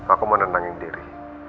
aku mau nendangin diri